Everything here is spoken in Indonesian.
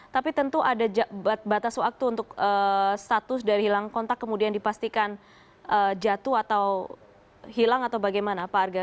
tapi tentu ada batas waktu untuk status dari hilang kontak kemudian dipastikan jatuh atau hilang atau bagaimana pak arga